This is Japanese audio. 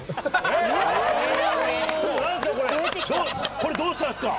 これどうしたんすか？